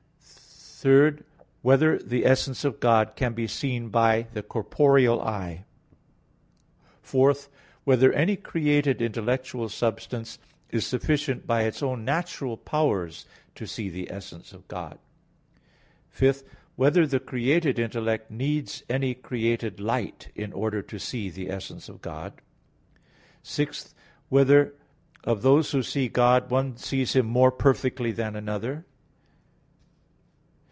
(3) Whether the essence of God can be seen by the corporeal eye? (4) Whether any created intellectual substance is sufficient by its own natural powers to see the essence of God? (5) Whether the created intellect needs any created light in order to see the essence of God? (6) Whether of those who see God, one sees Him more perfectly than another?